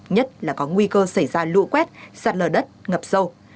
nhất là có nguy cơ xảy ra lũ quét sạt lở đất ngập sâu